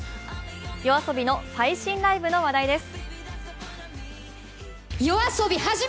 ＹＯＡＳＯＢＩの最新ライブの話題です。